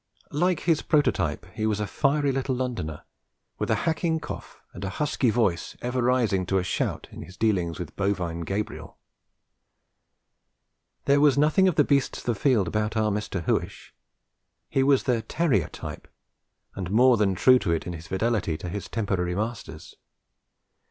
Like his prototype he was a fiery little Londoner, with a hacking cough and a husky voice ever rising to a shout in his dealings with bovine Gabriel. There was nothing of the beasts of the field about our Huish; he was the terrier type, and more than true to it in his fidelity to his temporary masters.